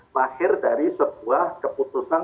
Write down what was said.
lahir dari sebuah keputusan